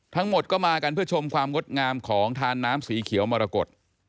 ทั้งหมดก็มากันเพื่อชมความงดงามของทานน้ำสีเขียวมรกฏ